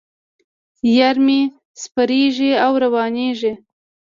یار مې سپریږي او روانېږي.